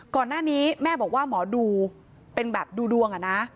ก่อนหน้านี้แม่บอกว่าหมอดูเป็นแบบดูดวงอะนะ